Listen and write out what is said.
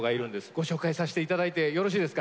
ご紹介させていただいてよろしいですか。